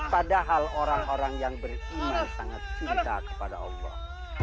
padahal orang orang yang beriman sangat cinta kepada allah